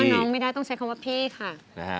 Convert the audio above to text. น้องไม่ได้ต้องใช้คำว่าพี่ค่ะ